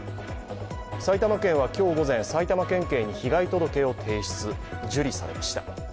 埼玉県は今日午前、埼玉県警に被害届を提出、受理されました。